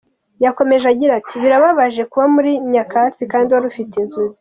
Yakomeje agira ati: “Birababaje kuba muri nyakatsi kandi wari ufite inzu nziza” .